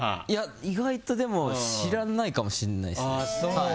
意外と、でも知らないかもしれないです。